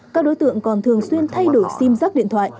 các đối tượng còn thường xuyên thay đổi sim giác điện thoại